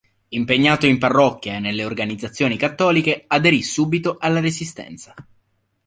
Impegnato in parrocchia e nelle organizzazioni cattoliche, aderì subito alla Resistenza.